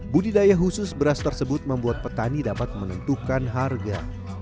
budidaya khusus beras tersebut membuat petani dapat menentukan harga